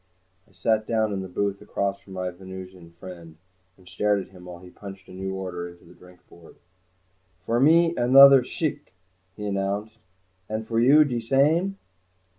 I sat down in the booth across from my Venusian friend, and stared at him while he punched a new order into the drinkboard. "For me, another shchikh," he announced. "And for you? De same?"